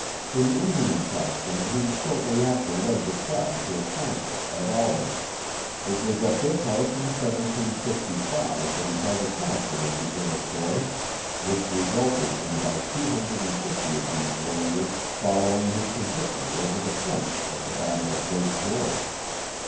In Indian costume he shortly after led the tribe to a council at Albany. It was at this house in 1755 that he held a council with the Jroquois which resulted in about two 'hundred and fifty of their warriors following him to victory: over the French at the battle of Lake George.